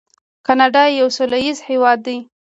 کاناډا یو سوله ییز هیواد دی.